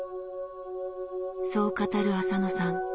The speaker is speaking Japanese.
そう語る浅野さん。